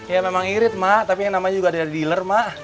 ya memang irit tapi namanya juga dari dealer